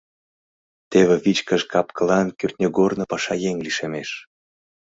Теве вичкыж кап-кылан кӱртньыгорно пашаеҥ лишемеш.